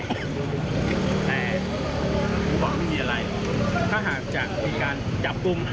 แต่บอกไม่มีอะไรถ้าหากจะมีการจับกลุ่ม